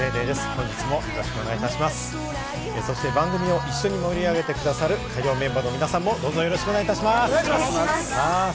番組を一緒に盛り上げてくださる火曜メンバーの皆さんもよろしくお願いいたします。